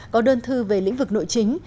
có đơn thư về lĩnh vực nội chính